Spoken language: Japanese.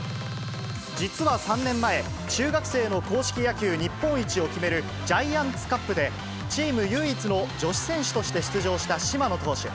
実は３年前、中学生の硬式野球日本一を決めるジャイアンツカップで、チーム唯一の女子選手として出場した島野投手。